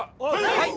はい！